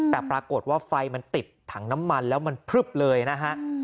แต่ปรากฏว่าไฟมันติดถังน้ำมันแล้วมันพลึบเลยนะฮะ